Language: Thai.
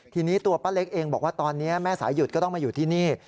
ทีนี้ตัวป้าเล็กเองบอกว่าตอนนี้แม่สายหยุดก็ต้องมาอยู่ที่นี่